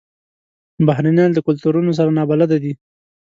بهرنیان د کلتورونو سره نابلده دي.